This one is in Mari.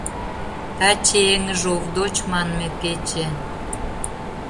Таче Эҥыж Овдоч манме кече!